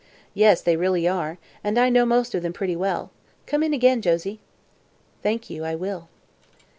"Yes, they really are, and I know most of them pretty well. Come in again, Josie." "Thank you; I will."